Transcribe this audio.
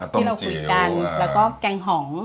ที่เราคุยกันแล้วก็แกงหอม